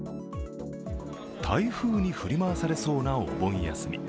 台風に振り回されそうなお盆休み。